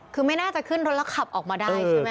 คือไม่น่าจะขึ้นรถแล้วขับออกมาได้ใช่ไหม